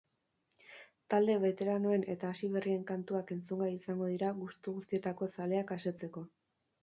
Talde beteranoen eta hasi berrien kantuak entzungai izango dira gustu guztietako zaleak asetzeko.